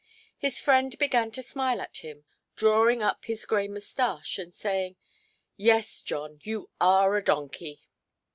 His friend began to smile at him, drawing up his grey moustache, and saying, "Yes, John, you are a donkey".